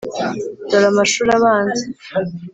dore amashuri abanza.